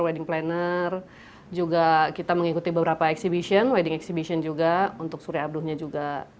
wedding planner juga kita mengikuti beberapa exhibition wedding exhibition juga untuk suri abduhnya juga